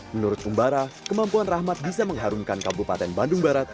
menurut pembara kemampuan rahmat bisa mengharumkan kabupaten bandung barat